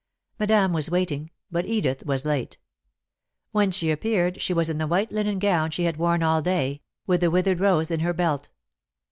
Madame was waiting, but Edith was late. When she appeared, she was in the white linen gown she had worn all day, with the withered rose in her belt.